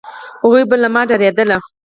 هغوی به له ما ډارېدل،